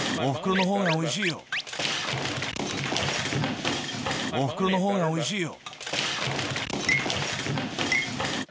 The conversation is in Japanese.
なんだこりゃ、おふくろのほうがおいしいよ。